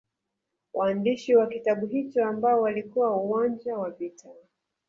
Waandishi wa kitabu hicho ambao walikuwa uwanja wa vita